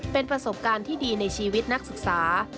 เป็นประสบการณ์ที่ดีในชีวิตนักศึกษา